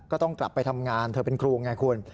ก็ต้องกลับไปทำงานเธอเป็นครูไงคุณ